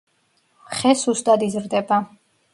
ხე სუსტად იზრდება.